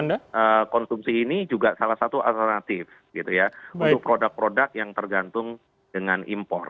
nah konsumsi ini juga salah satu alternatif gitu ya untuk produk produk yang tergantung dengan impor